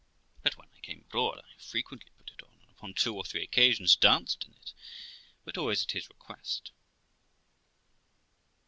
But when I came abroad I frequently put it on, and upon two or three occasions danced in it, but always at his request.